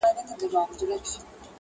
ماته خطره نۀ د ګرجې نۀ د مندره وه